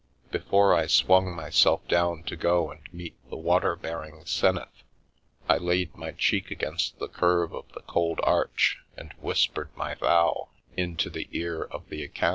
Before I swung myself down to go and meet the water bearing 'Senath, I laid my cheek against the curve of the cold arch and whispered my vow into the ear of the acanthus leaf on the capital.